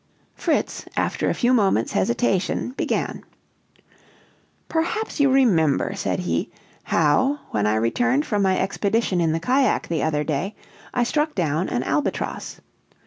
Fritz, after a few moments' hesitation, began: "Perhaps you remember," said he, "how, when I returned from my expedition in the cajack the other day, I struck down an albatross.